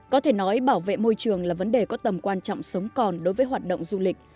có thể nói bảo vệ môi trường là vấn đề có tầm quan trọng sống còn đối với hoạt động du lịch